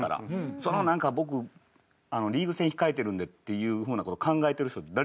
そのなんか「僕リーグ戦控えてるんで」っていうふうな事考えてる人って誰一人いないんで。